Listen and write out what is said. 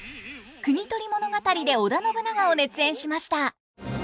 「国盗り物語」で織田信長を熱演しました。